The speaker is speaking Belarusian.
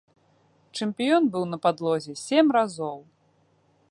Чэмпіён быў на падлозе сем разоў.